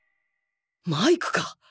マイクか！？